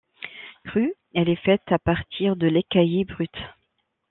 Crue, elle est faite à partir de lait caillé brut.